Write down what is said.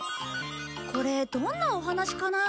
これどんなお話かな？